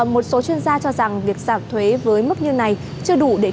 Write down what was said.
một số chuyên gia cho rằng việc giảm thuế với mức như này chưa đủ để